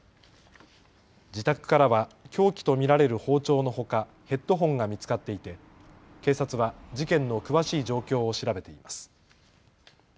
自宅からは凶器と見られる包丁のほかヘッドホンが見つかっていて警察は事件の詳しい状況を調べています。